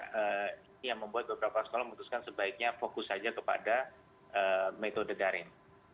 jadi ini yang membuat beberapa sekolah memutuskan sebaiknya fokus saja kepada metode garin